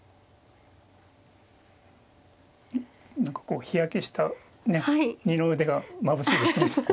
何かこう日焼けした二の腕がまぶしいですね。